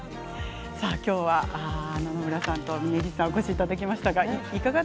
今日は野々村さんと峯岸さんにお越しいただきました。